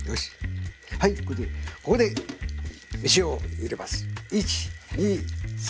はいここで飯を入れます。